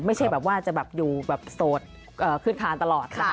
ไม่ใช่แบบว่าจะแบบอยู่แบบโสดขึ้นคานตลอด